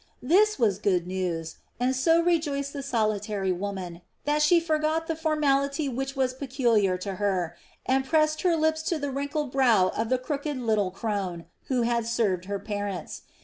This was good news, and so rejoiced the solitary woman that she forgot the formality which was peculiar to her and pressed her lips to the wrinkled brow of the crooked little crone who had served her parents.